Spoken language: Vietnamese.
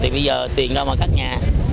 thì bây giờ tiền đâu mà cắt nhà